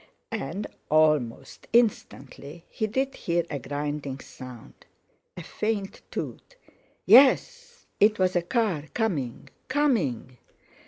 And almost instantly he did hear a grinding sound, a faint toot. Yes! it was a car—coming—coming!